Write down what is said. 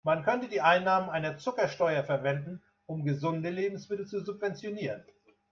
Man könnte die Einnahmen einer Zuckersteuer verwenden, um gesunde Lebensmittel zu subventionieren.